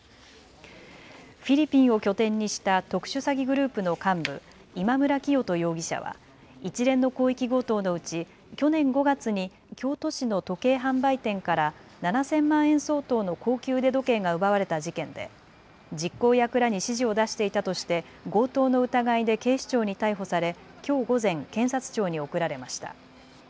フィリピンを拠点にした特殊詐欺グループの幹部、今村磨人容疑者は一連の広域強盗のうち去年５月に京都市の時計販売店から７０００万円相当の高級腕時計が奪われた事件で実行役らに指示を出していたとして強盗の疑いで警視庁に逮捕されきょう午前、検察庁に送られました。